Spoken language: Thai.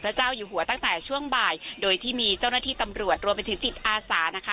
เจ้าอยู่หัวตั้งแต่ช่วงบ่ายโดยที่มีเจ้าหน้าที่ตำรวจรวมไปถึงจิตอาสานะคะ